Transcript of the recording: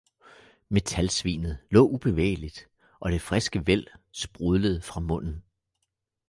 Metalsvinet lå ubevægeligt, og det friske væld sprudlede fra munden